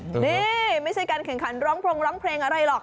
นี่ไม่ใช่การแข่งขันร้องพรงร้องเพลงอะไรหรอก